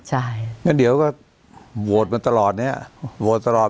วันเดียวก็โหว่ดตลอด